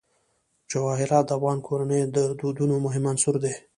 جواهرات د افغان کورنیو د دودونو مهم عنصر دی.